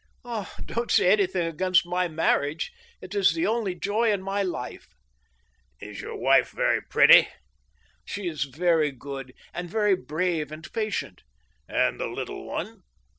" Ah, don't say anything against my marriage ! It is the only joy in my life." " Is your wife very pretty ?". 12 THE STEEL HAMMER. " She is very good ; and very brave and patient." " And the little one